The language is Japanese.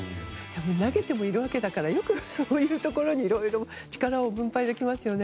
投げてもいるわけだからよく、そういうところにいろいろ力を分配できますよね。